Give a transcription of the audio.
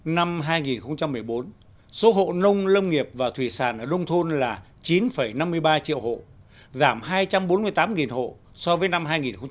năm hai nghìn một mươi bốn số hộ nông lâm nghiệp và thủy sản ở nông thôn là chín năm mươi ba triệu hộ giảm hai trăm bốn mươi tám hộ so với năm hai nghìn một mươi bảy